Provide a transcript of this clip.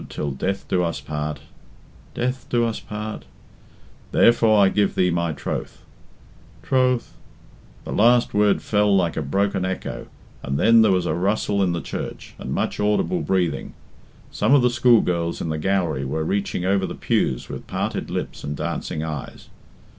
till death do us part '"" 'death do us part '"" 'therefore I give thee my troth '"" 'troth '" The last word fell like a broken echo, and then there was a rustle in the church, and much audible breathing. Some of the school girls in the gallery were reaching over the pews with parted lips and dancing eyes.